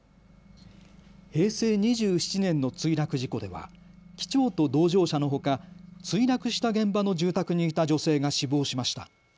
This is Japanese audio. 平成２７年の墜落事故では機長と同乗者のほか墜落した現場の住宅にいた女性が死亡しました。